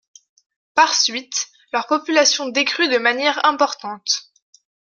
Par suite, leur population décrût de manière importante.